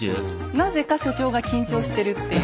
なぜか所長が緊張してるっていう。